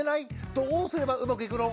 どうすればうまくいくの？